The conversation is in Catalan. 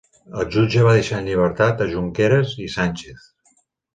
El jutge va deixar en llibertat a Junqueras i Sánchez.